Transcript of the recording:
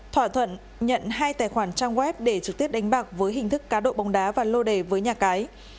thỏa thuận nhận hai tài khoản trang web để trực tiếp đánh bạc với hình thức cá độ bóng đá và lô đề với nhà cái